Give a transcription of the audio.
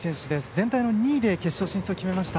全体の２位で決勝進出を決めました。